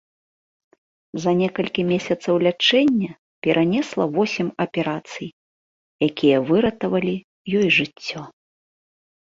За некалькі месяцаў лячэння перанесла восем аперацый, якія выратавалі ёй жыццё.